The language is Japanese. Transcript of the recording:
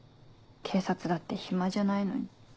警察だって暇じゃないのに。